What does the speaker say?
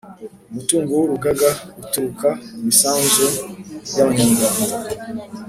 Umutungo w urugaga uturuka ku misanzu yabanywarwanda